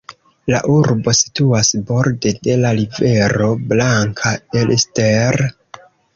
La urbo situas borde de la rivero Blanka Elster.